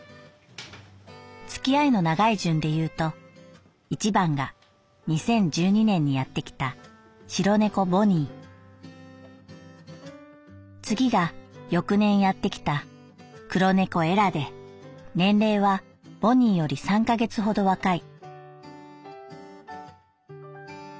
付き合いの長い順で言うと一番が二〇一二年にやって来た白猫ボニー次が翌年やってきた黒猫エラで年齢はボニーより三か月ほど若い」。